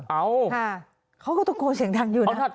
เอ้าเขาก็ตกลงเสียงดังอยู่นะ